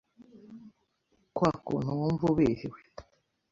kwa kuntu wumva ubihiwe